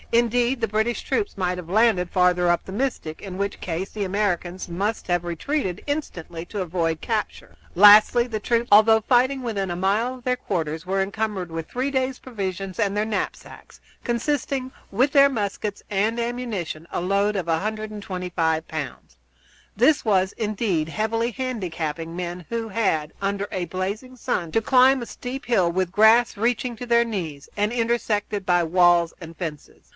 Indeed, the British troops might have been landed further up the Mystic, in which case the Americans must have retreated instantly to avoid capture. Lastly, the troops, although fighting within a mile of their quarters, were encumbered with three days' provisions and their knapsacks, constituting, with their muskets and ammunition, a load of 125 pounds. This was, indeed, heavily handicapping men who had, under a blazing sun, to climb a steep hill, with grass reaching to their knees, and intersected by walls and fences.